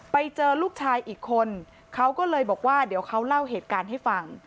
ไปเจอลูกชายอีกคนเขาก็เลยบอกว่าเดี๋ยวเขาเล่าเหตุการณ์ให้ฟัง